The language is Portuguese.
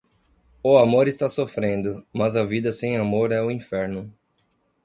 O amor está sofrendo, mas a vida sem amor é o inferno.